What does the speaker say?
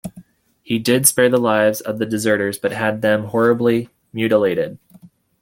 He did spare the lives of the deserters, but had them horribly mutilated.